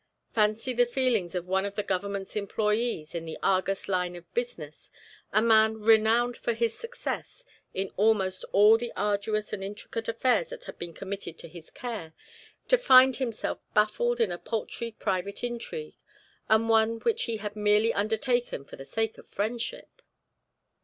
Fancy the feelings of one of the government's employees in the argus line of business, a man renowned for his success in almost all the arduous and intricate affairs that had been committed to his care, to find himself baffled in a paltry private intrigue, and one which he had merely undertaken for the sake of friendship!